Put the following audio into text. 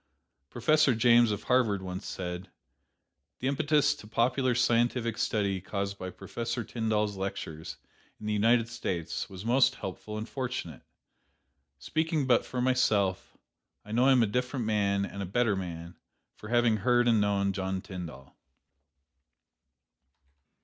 Professor James of Harvard once said: "The impetus to popular scientific study caused by Professor Tyndall's lectures in the United States was most helpful and fortunate. Speaking but for myself, I know I am a different man and a better man, for having heard and known John Tyndall."